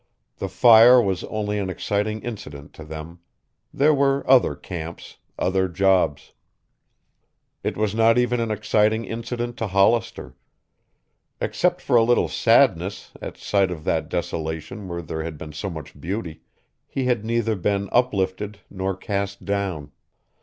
The fire was only an exciting incident to them. There were other camps, other jobs. It was not even an exciting incident to Hollister. Except for a little sadness at sight of that desolation where there had been so much beauty, he had neither been uplifted nor cast down.